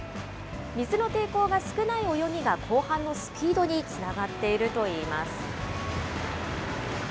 水の抵抗が少ない泳ぎが、後半のスピードにつながっているといいます。